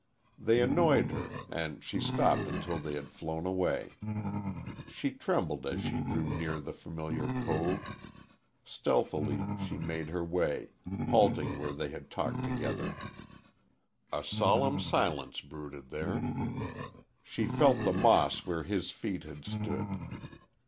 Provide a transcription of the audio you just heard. They annoyed her, and she stopped until they had flown away. She trembled as she drew near the familiar cove. Stealthily she made her way, halting where they had talked together. A solemn silence brooded there. She felt the moss where his feet had stood.